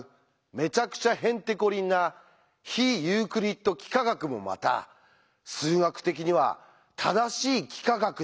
めちゃくちゃへんてこりんな非ユークリッド幾何学もまた数学的には正しい幾何学だったなんて。